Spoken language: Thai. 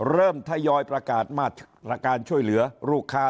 ทยอยประกาศมาตรการช่วยเหลือลูกค้า